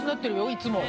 いつも。